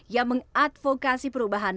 yang mengadvokasi perubahan nato